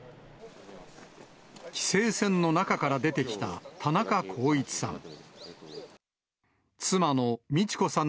規制線の中から出てきた田中公一さん。